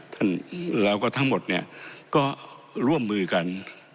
ท่านแล้วก็ทั้งหมดเนี่ยก็ร่วมมือกัน